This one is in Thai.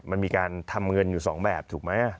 มันมีการทำเงินอยู่๒แบบถูกไหม